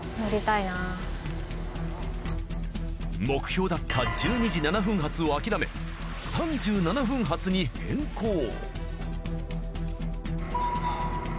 目標だった１２時７分発を諦め３７分発に変更。